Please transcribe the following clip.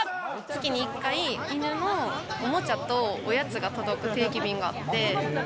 月に１回、犬のオモチャとおやつが届く定期便があって。